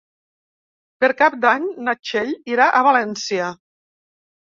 Per Cap d'Any na Txell irà a València.